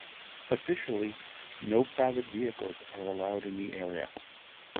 Officially, no private vehicles are allowed in the area.